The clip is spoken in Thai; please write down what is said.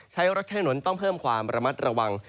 ใช้รถใช้ถนนต้องเพิ่มความระมัดระวัง